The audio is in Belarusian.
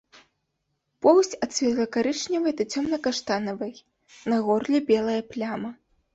Поўсць ад светла-карычневай да цёмна-каштанавай, на горле белая пляма.